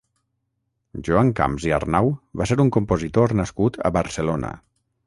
Joan Camps i Arnau va ser un compositor nascut a Barcelona.